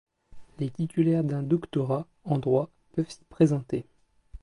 Les titulaires d'un doctorat en droit peuvent s'y présenter.